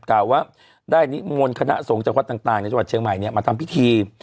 กล่าวว่าได้มนต์คณะส่งจังหวัดต่างในชวาสเชียงใหม่เนี่ยมาทำพิธี